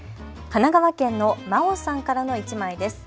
神奈川県のＭＡＯさんからの１枚です。